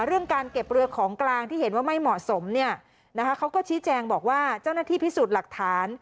เรื่องการเก็บเรือของกลางที่เห็นว่าไม่เหมาะสมเนี่ยนะคะเขาก็ชี้แจงบอกว่าเจ้าหน้าที่พิสูจน์หลักฐาน